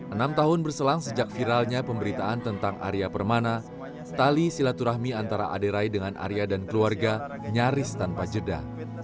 enam tahun berselang sejak viralnya pemberitaan tentang arya permana tali silaturahmi antara aderai dengan arya dan keluarga nyaris tanpa jeda